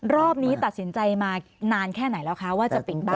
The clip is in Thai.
รอบนี้ตัดสินใจมานานแค่ไหนแล้วคะว่าจะปิดบ้าน